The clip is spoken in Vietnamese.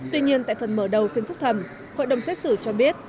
tuy nhiên tại phần mở đầu phiên phúc thẩm hội đồng xét xử cho biết